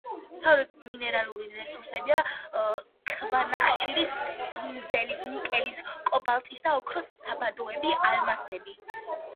მთავარი მინერალური რესურსებია: ქვანახშირი, სპილენძის, ნიკელის, კობალტის და ოქროს საბადოები, ალმასები.